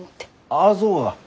ああそうが。